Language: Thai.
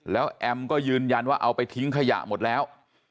แล้วแอมก็ยืนยันว่าเอาไปทิ้งขยะหมดแล้ว